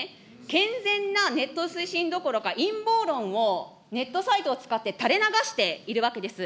健全なネット推進どころか、陰謀論をネットサイトを使って垂れ流しているわけです。